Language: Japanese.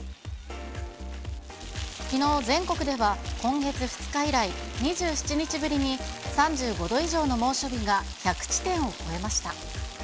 きのう、全国では今月２日以来、２７日ぶりに３５度以上の猛暑日が１００地点を超えました。